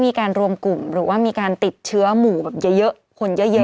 มีการรวมกลุ่มหรือว่ามีการติดเชื้อหมู่แบบเยอะคนเยอะ